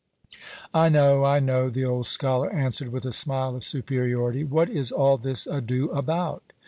"I know, I know," the old scholar answered with a smile of superiority. "What is all this ado about?"